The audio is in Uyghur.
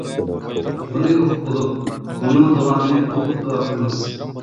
بۇنى ئۇقۇپ بولۇپ مۇنۇ دۇئانى ئۇقۇپ دۇئا قىلىمىز.